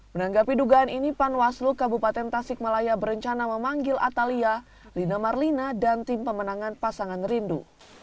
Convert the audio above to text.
menanggapi dugaan ini panwaslu kabupaten tasikmalaya berencana memanggil atalia lina marlina dan tim pemenangan pasangan rindu